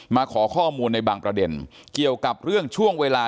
มาขอข้อมูลในบางประเด็นเกี่ยวกับเรื่องช่วงเวลา